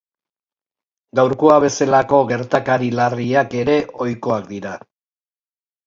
Gaurkoa bezalako gertakari larriak ere ohikoak dira.